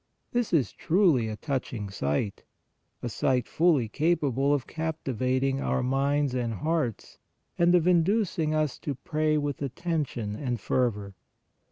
This is truly a touching sight, a sight fully capable of captivating our minds and hearts and of inducing us to pray with attention and fervor.